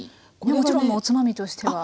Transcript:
もちろんおつまみとしては。